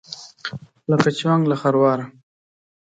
لکه: چونګ له خرواره.